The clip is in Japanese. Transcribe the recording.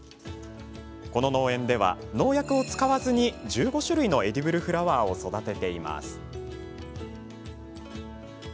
この農園では、農薬を使わずに１５種類のエディブルフラワーを育てています。